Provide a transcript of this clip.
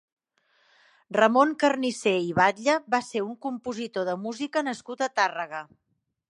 Ramon Carnicer i Batlle va ser un compositor de música nascut a Tàrrega.